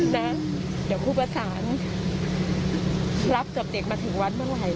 นะเดี๋ยวครูประสานรับศพเด็กมาถึงวัดเมื่อไหร่